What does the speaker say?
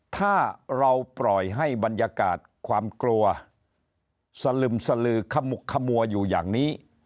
ถ้าเราปล่อยให้บรรยากาศความกลัวสลึมสลือขมุกขมัวอยู่อย่างนี้